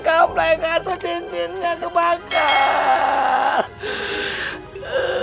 kamu mereka itu cincinnya kebakar